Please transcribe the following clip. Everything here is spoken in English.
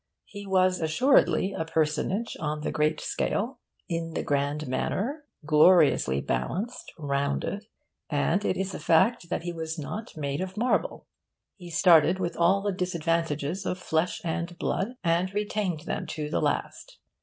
He was assuredly a personage on the great scale, in the grand manner, gloriously balanced, rounded. And it is a fact that he was not made of marble. He started with all the disadvantages of flesh and blood, and retained them to the last.